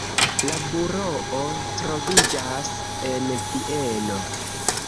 La buroo troviĝas en Vieno.